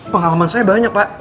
pengalaman saya banyak pak